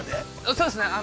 ◆そうですね。